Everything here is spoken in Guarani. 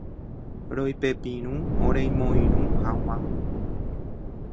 Roipepirũ oremoirũ hag̃ua.